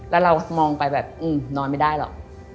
แล้วเรามองไปแบบนอนไม่ได้หรอก